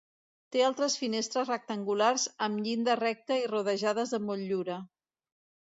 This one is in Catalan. Té altres finestres rectangulars amb llinda recta i rodejades de motllura.